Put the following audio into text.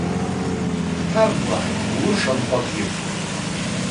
Дҭарблааит, улыршанхоҭгьы.